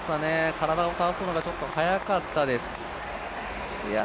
体を倒すのがちょっと早かったです。